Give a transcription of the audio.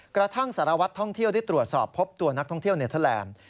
กระทั่งสารวัตรท่องเที่ยวได้ตรวจสอบพบตัวนักท่องเที่ยวเนเทอร์แลนด์